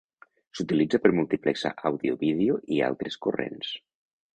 S'utilitza per multiplexar àudio, vídeo i altres corrents.